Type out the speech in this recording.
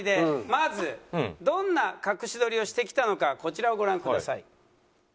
まずどんな隠し撮りをしてきたのかこちらをご覧ください。